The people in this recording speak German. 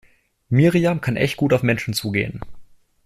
Miriam kann echt gut auf Menschen zugehen.